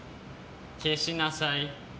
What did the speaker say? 消しなさい。